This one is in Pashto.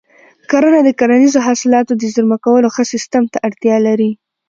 کرنه د کرنیزو حاصلاتو د زېرمه کولو ښه سیستم ته اړتیا لري.